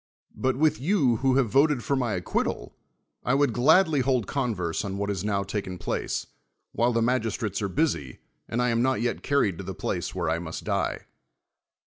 But with you who have voted for my acquittal, I would gladly hold converse on what has now taken place, while the magistrates are busy and I am not yet carried to the place where I must die.